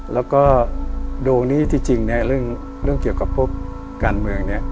แล้วก็ดวงที่จริงเรื่องเกี่ยวกับพวกการเมืองนี่